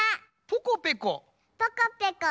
ポコペコ。